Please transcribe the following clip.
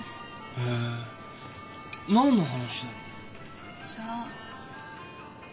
へえ何の話だろう？さあ？